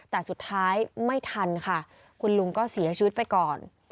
แต่สุดท้ายไม่ทันค่ะคุณลุงก็เสียชีวิตไปก่อน